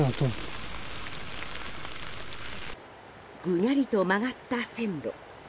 ぐにゃりと曲がった線路。